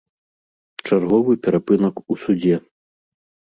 Чарговы перапынак у судзе.